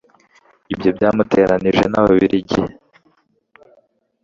ibyo byamuteranije n'ababiligi